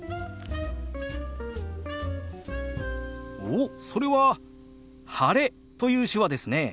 おっそれは「晴れ」という手話ですね。